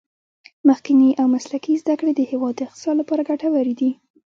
تخنیکي او مسلکي زده کړې د هیواد د اقتصاد لپاره ګټورې دي.